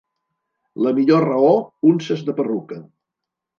La millor raó, unces de perruca.